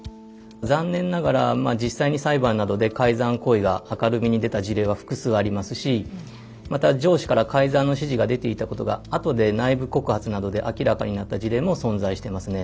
残念ながら実際に裁判などで改ざん行為が明るみに出た事例は複数ありますしまた上司から改ざんの指示が出ていたことがあとで内部告発などで明らかになった事例も存在してますね。